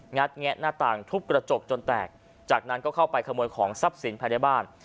แงะหน้าต่างทุบกระจกจนแตกจากนั้นก็เข้าไปขโมยของทรัพย์สินภายในบ้าน